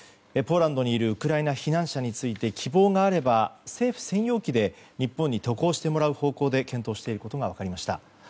ポーランドにいるウクライナ避難者について希望があれば政府専用機で日本に渡航してもらう方向で検討していることが分かりました。